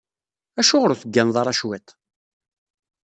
Acuɣer ur tegganeḍ ara cwiṭ?